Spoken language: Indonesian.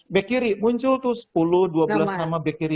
back kiri muncul tuh sepuluh dua belas nama back kiri